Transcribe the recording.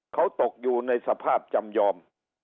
เขาตกอยู่ในสภาพจำยอม